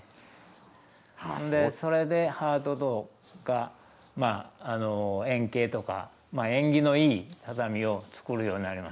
それでハートとかまあ円形とか縁起のいい畳を作るようになりました。